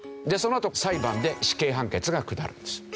そのあと裁判で死刑判決が下るんです。